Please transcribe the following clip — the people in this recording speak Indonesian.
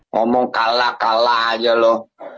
ngomong kalah kalah aja loh